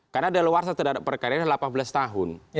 karena dalo warsa terhadap perkaryanya delapan belas tahun